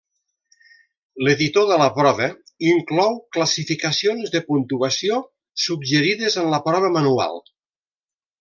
L'editor de la prova inclou classificacions de puntuació suggerides en la prova manual.